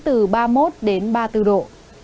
từ ba mươi một đến ba mươi bốn độ